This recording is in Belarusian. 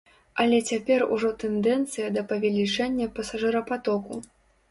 Але цяпер ужо тэндэнцыя да павелічэння пасажырапатоку.